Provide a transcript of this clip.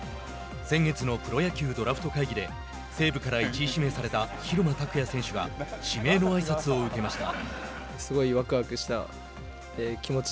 先月のプロ野球ドラフト会議で西武から１位指名された蛭間拓哉選手が指名のあいさつを受けました。